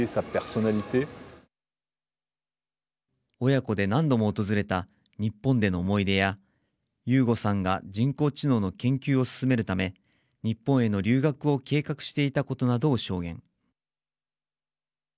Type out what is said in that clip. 親子で何度も訪れた日本での思い出やユーゴさんが人工知能の研究を進めるため日本への留学を計画していたことなどを証言。